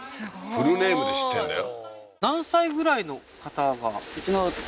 フルネームで知ってんだよ